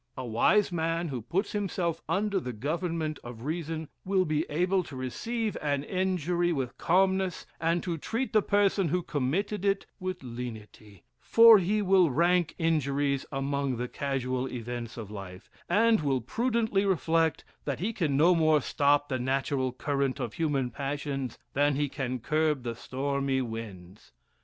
A wise man, who puts himself under the government of reason, will be able to receive an injury with calmnese, and to treat the person who committed it with lenity; for he will rank injuries among the casual events of life, and will prudently reflect that he can no more stop the natural current of human passions, than he can curb the stormy winds.